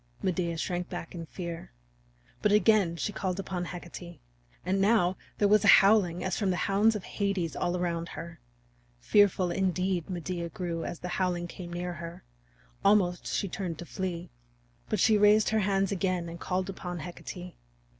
Medea shrank back in fear. But again she called upon Hecate. And now there was a howling as from the hounds of Hades all around her. Fearful, indeed, Medea grew as the howling came near her; almost she turned to flee. But she raised her hands again and called upon Hecate.